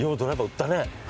打ったね。